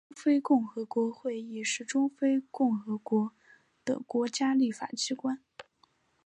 中非共和国国民议会是中非共和国的国家立法机关。